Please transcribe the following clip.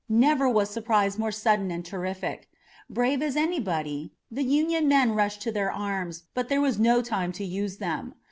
Never was surprise more sudden and terrific. Brave as anybody, the Union men rushed to their arms, but there was no time to use them.